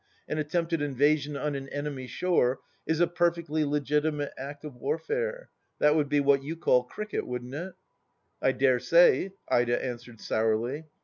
An attempted invasion on an enemy shore is a perfectly legitimate act of warfare. That would be what you call cricket, wouldn't it ?"" I dare say," Ida answered sourly.